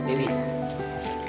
wah nih pintarnya